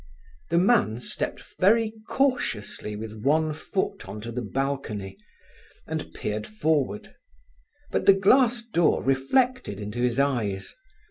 The man stepped very cautiously with one foot on to the balcony, and peered forward. But the glass door reflected into his eyes.